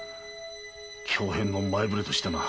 凶変の前触れとしてな。